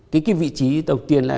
cái vị trí đầu tiên